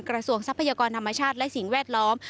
กราศวงศ์ทรัพยากรธรรมชาติและสิ่งแวดล้อม